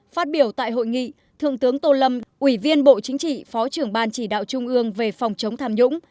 phát biểu tại hội nghị thượng tướng tô lâm ủy viên bộ chính trị phó trưởng ban chỉ đạo trung ương về phòng chống tham nhũng